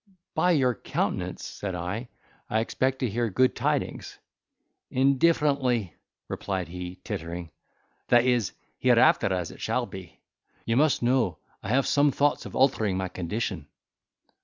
"By your countenance," said I, "I expect to hear good tidings." "Indifferently," replied he, tittering, "that is, hereafter as it shall be. You must know, I have some thoughts of altering my condition."